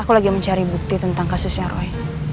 aku lagi mencari bukti tentang kasusnya roy